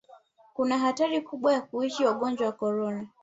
kuna hatari kubwa ya kuishi wagonjwa korona